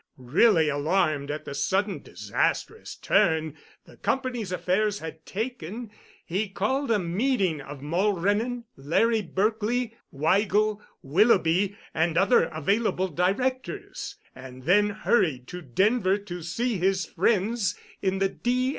Really alarmed at the sudden disastrous turn the company's affairs had taken, he called a meeting of Mulrennan, Larry Berkely, Weigel, Willoughby, and other available directors, and then hurried to Denver to see his friends in the D.